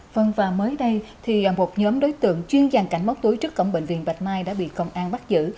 vâng và mới đây thì một nhóm đối tượng chuyên giàn cảnh móc túi trước cổng bệnh viện bạch mai đã bị công an bắt giữ